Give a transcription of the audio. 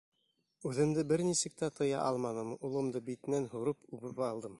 Үҙемде бер нисек тә тыя алманым, улымды битенән һурып үбеп алдым.